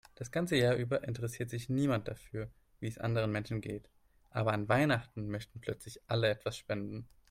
Das ganze Jahr über interessiert sich niemand dafür, wie es anderen Menschen geht, aber an Weihnachten möchten plötzlich alle etwas spenden.